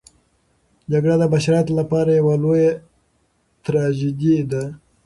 جګړه د بشریت لپاره یوه لویه تراژیدي ده.